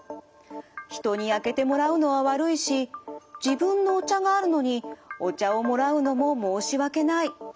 人に開けてもらうのは悪いし自分のお茶があるのにお茶をもらうのも申し訳ない。